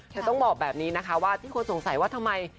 ต้องบอกแบบนี้นะคะว่าที่คนสงสัยว่าทำไม